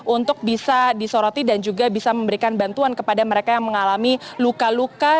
untuk bisa disoroti dan juga bisa memberikan bantuan kepada mereka yang mengalami luka luka